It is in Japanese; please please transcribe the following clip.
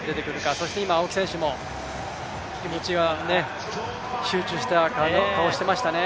そして今、青木選手も気持ちは、集中した顔をしていましたね。